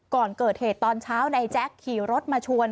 ก่อนเกิดเหตุตอนเช้านายแจ๊คขี่รถมาชวน